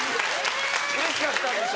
うれしかったんでしょ。